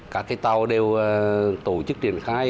các tàu đều tổ chức triển khai